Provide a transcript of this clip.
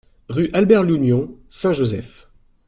Rue Albert Lougnon, Saint-Joseph